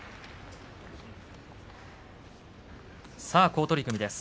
さあ、好取組です。